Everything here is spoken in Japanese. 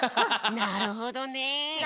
なるほど。